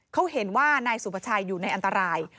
เขาเห็นว่านายสุภาชัยอยู่ในอันตราย